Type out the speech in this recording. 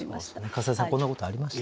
笠井さんこんなことありました？